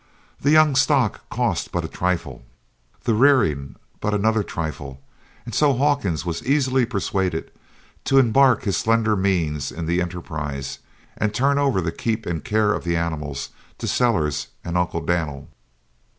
The young stock cost but a trifle, the rearing but another trifle, and so Hawkins was easily persuaded to embark his slender means in the enterprise and turn over the keep and care of the animals to Sellers and Uncle Dan'l.